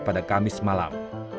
pada kamis malam